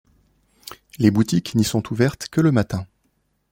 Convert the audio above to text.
Les boutiques n'y sont ouvertes que le matin.